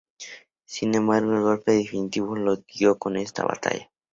Sin embargo, el golpe definitivo lo dio con esta batalla.